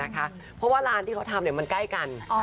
เพราะว่าร้านที่เขาทำมันใกล้กัน